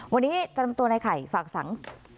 วันนี้จำตัวนายไข่ฝ่ายหญิงดาวค่ะ